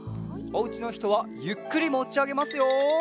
おうちのひとはゆっくりもちあげますよ。